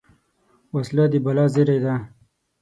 وسله د بلا زېری ده